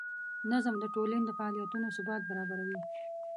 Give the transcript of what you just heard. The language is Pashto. نظم د ټولنې د فعالیتونو ثبات برابروي.